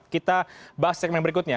kita bahas segmen berikutnya